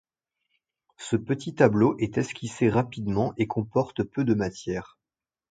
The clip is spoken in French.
Ce petit tableau est esquissé rapidement, et comporte peu de matière.